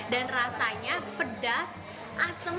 dan rasanya pedas asem dan enak